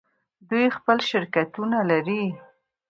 دوی خپل شرکتونه لري.